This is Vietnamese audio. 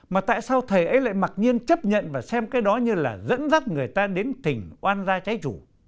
mà tại sao thầy ấy lại mặc nhiên chấp nhận và xem cái đó như là dẫn dắt người ta đến tỉnh oan gia trái chủ